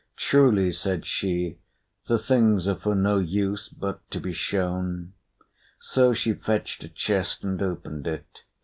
"Truly," said she, "the things are for no use but to be shown." So she fetched a chest and opened it.